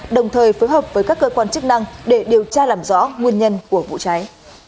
đồng thời phối hợp với các cơ quan chức năng để điều tra làm rõ nguyên nhân của vụ cháy